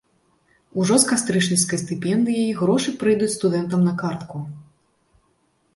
Ужо з кастрычніцкай стыпендыяй грошы прыйдуць студэнтам на картку.